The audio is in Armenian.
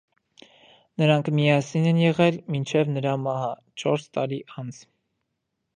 Նրանք միասին են եղել մինչև նրա մահը՝ չորս տարի անց։